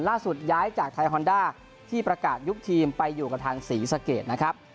ล่าสุดย้ายจากไทยฮอนด้าที่ประกาศยุคทีมไปอยู่กับทางศรีสะเกดนะครับ